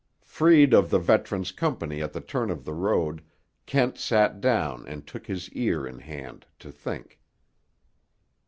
Freed of the veteran's company at the turn of the road, Kent sat down and took his ear in hand, to think.